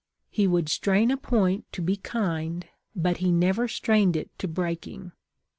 He would strain a point to be kind, but he never strained it to breaking.